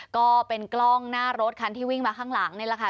ก็เป็นกล้องหน้ารถคันที่วิ่งมาข้างหลังนี่แหละค่ะ